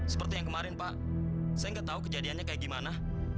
seperti yang kemarin pak saya nggak tahu kejadiannya kayak gimana